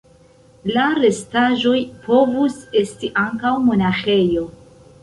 La restaĵoj povus esti ankaŭ monaĥejo.